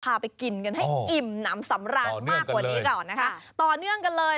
พาไปกินกันให้อิ่มน้ำสำราญมากกว่านี้ก่อนนะคะต่อเนื่องกันเลย